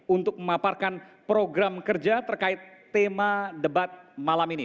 untuk memaparkan program kerja terkait tema debat malam ini